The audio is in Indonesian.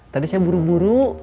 tadi saya buru buru